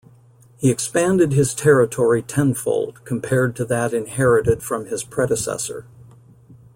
He expanded his territory tenfold compared to that inherited from his predecessor.